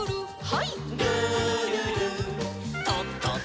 はい。